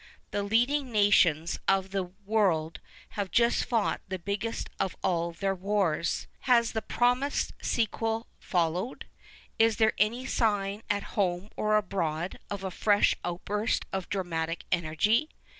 Tlie leading nations of the world have just fought the biggest of all their wars. p.p. 1 45 L PASTICHE AND PREJUDICE Has the promised sequel followed ? Is there any sign at home or abroad of a fresh outburst of dramatic energy